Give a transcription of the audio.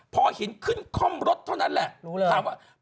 พอเห็นขึ้นคอมรถเท่านั้นแหละถามว่ารู้เลย